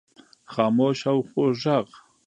خاموش او خوږ ږغ